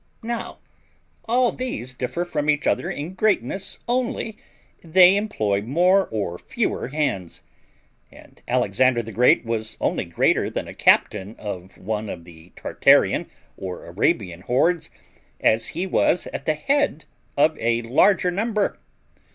]. Now all these differ from each other in greatness only they employ MORE or FEWER hands. And Alexander the Great was only GREATER than a captain of one of the Tartarian or Arabian hordes, as he was at the head of a larger number.